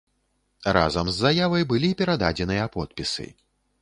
Разам з заявай былі перададзеныя подпісы.